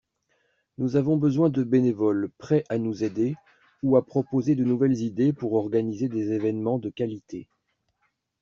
Nous avons besoin de bénévoles prêts à nous aider ou à nous proposer de nouvelles idées pour organiser des évènements de qualité.